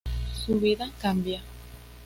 Su vida cambia.